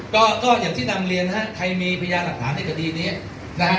ก็ก็อย่างที่นำเรียนฮะใครมีพยานหลักฐานในคดีนี้นะฮะ